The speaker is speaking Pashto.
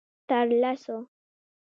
_تر لسو.